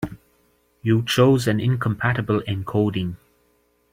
You chose an incompatible encoding.